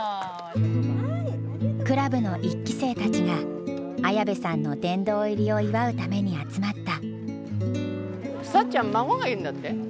クラブの１期生たちが綾部さんの殿堂入りを祝うために集まった。